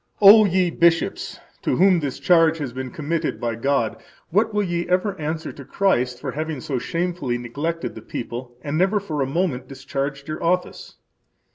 O ye bishops! [to whom this charge has been committed by God,] what will ye ever answer to Christ for having so shamefully neglected the people and never for a moment discharged your office?